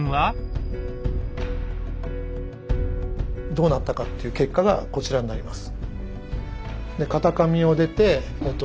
どうなったのかという結果がこちらになります。